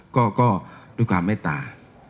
ก็แม้ตา